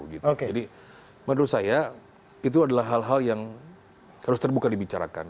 jadi menurut saya itu adalah hal hal yang harus terbuka dibicarakan